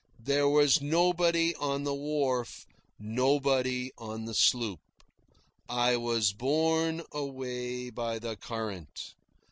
There was nobody on the wharf, nobody on the sloop. I was borne away by the current.